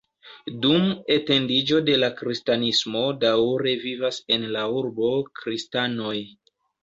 Dum etendiĝo de la kristanismo daŭre vivas en la urbo kristanoj.